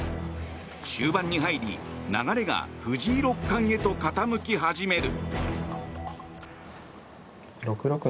終盤に入り流れが藤井六冠へと傾き始める。